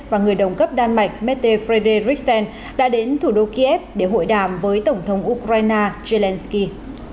và người đồng cấp đan mạch mette frederickson đã đến thủ đô kiev để hội đàm với tổng thống ukraine zelensky